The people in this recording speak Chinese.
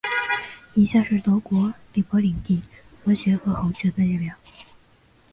以下是德国利珀领地伯爵和侯爵的列表。